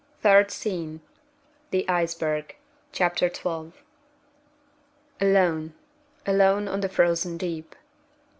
Third Scene The Iceberg. Chapter 12. Alone! alone on the Frozen Deep!